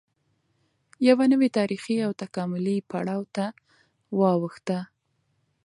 یوه نوې تارېخي او تکاملي پړاو ته واوښته